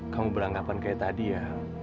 kamu beranggapan kayak tadi ya